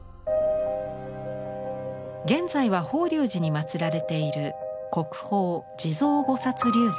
現在は法隆寺にまつられている国宝地蔵菩立像。